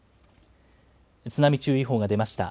津波注意報が出ました。